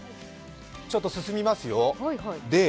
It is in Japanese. ちょっと、進みますよ。